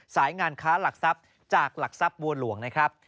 สายงานค้าหลักทรัพย์จากหลักทรัพย์บัวหลวงนะครับ